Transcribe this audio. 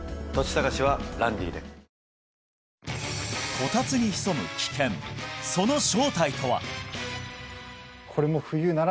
こたつに潜む危険その正体とは？